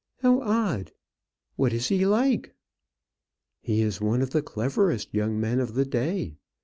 "How odd! But what is he like?" "He is one of the cleverest young men of the day.